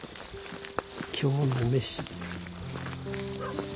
今日の飯。